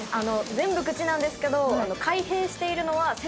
全部口なんですけど。